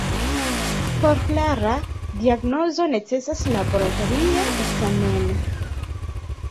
Por klara diagnozo necesas laboratoria ekzameno.